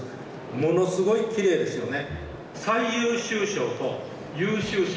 ものすごいきれいですよね。